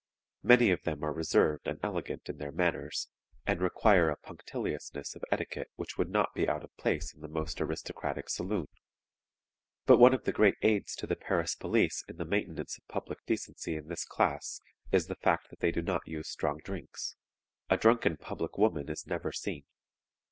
Many of them are reserved and elegant in their manners, and require a punctiliousness of etiquette which would not be out of place in the most aristocratic saloon. But one of the great aids to the Paris police in the maintenance of public decency in this class, is the fact that they do not use strong drinks; a drunken public woman is never seen.